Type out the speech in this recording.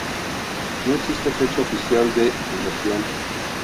No existe fecha oficial de fundación.